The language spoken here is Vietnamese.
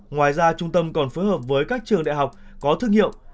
ngoài ra trung tâm còn phối hợp với các trường đại học có thương hiệu